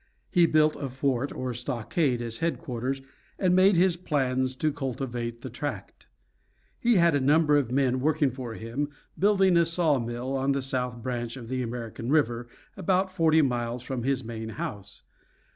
He built a fort or stockade as headquarters, and made his plans to cultivate the tract. He had a number of men working for him, building a sawmill on the south branch of the American River, about forty miles from his main house.